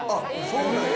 そうなんや。